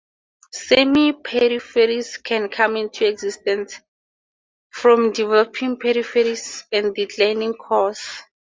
Semi-peripheries can come into existence from developing peripheries and declining cores.